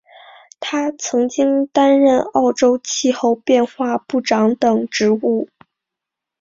他曾经担任澳洲气候变化部长等职务。